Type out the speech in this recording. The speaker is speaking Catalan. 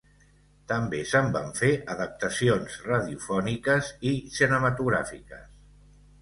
També se'n van fer adaptacions radiofòniques i cinematogràfiques.